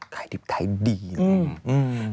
กายดิบไทยดีเลย